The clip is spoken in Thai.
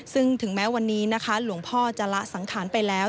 ซึ่งถึงแม้วันนี้นะคะหลวงพ่อจะละสังขารไปแล้ว